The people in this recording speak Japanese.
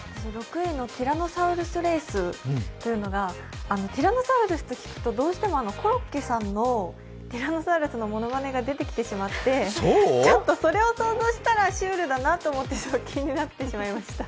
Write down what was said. ６位のティラノサウルスレースというのが、ティラノサウルスと聞くと、どうしてもコロッケさんのティラノサウルスのものまねが出てきてしまって、ちょっとそれを想像したらシュールだなと思って気になってしまいました。